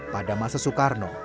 pada masa soekarno